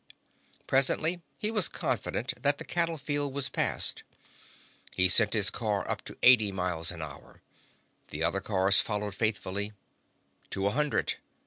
Presently he was confident that the cattle field was past. He sent his car up to eighty miles an hour. The other cars followed faithfully. To a hundred.